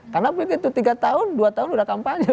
karena begitu tiga tahun dua tahun udah kampanye